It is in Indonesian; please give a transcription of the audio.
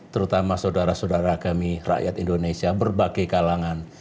terutama saudara saudara kami rakyat indonesia berbagai kalangan